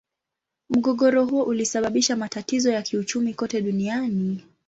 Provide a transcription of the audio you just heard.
Mgogoro huo ulisababisha matatizo ya kiuchumi kote duniani.